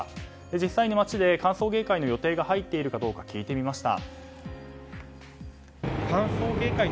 実際に街で歓送迎会の予定が入っているかどうか聞いてみました。